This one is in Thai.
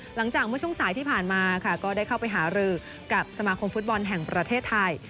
หลังจากเมื่อช่วงสายที่ผ่านมาค่ะก็ได้เข้าไปหารือกับสมาคมฟุตบอลแห่งประเทศไทย